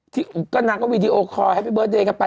ที่ก็นักว่าวิดีโอคอร์แฮปปี้เบอร์สเดย์กันไป